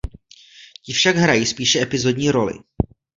Ti však hrají spíše epizodní roli.